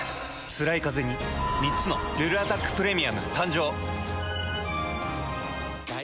つらいカゼに３つの「ルルアタックプレミアム」誕生。